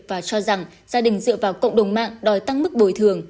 và cho rằng gia đình dựa vào cộng đồng mạng đòi tăng mức bồi thường